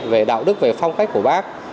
về đạo đức về phong cách của bác